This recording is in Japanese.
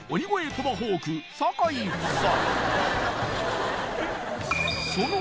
トマホーク坂井夫妻